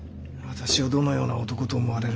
私をどのような男と思われる？